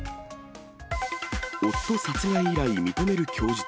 夫殺害依頼認める供述。